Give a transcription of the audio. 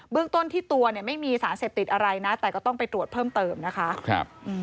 เรื่องต้นที่ตัวเนี่ยไม่มีสารเสพติดอะไรนะแต่ก็ต้องไปตรวจเพิ่มเติมนะคะครับ